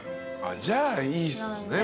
じゃあいいっすね。